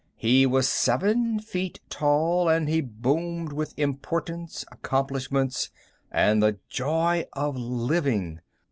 He was seven feet tall, and he boomed with importance, accomplishments, and the joy of living.